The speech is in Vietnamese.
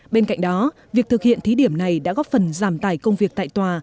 bên cạnh đó việc thực hiện thí điểm này đã góp phần giảm tài công việc tại tòa